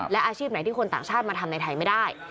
และอาชีพไหนที่คนต่างชาติมาทำในไทยไม่ได้